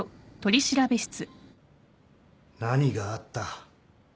何があった？